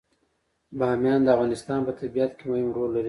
بامیان د افغانستان په طبیعت کې مهم رول لري.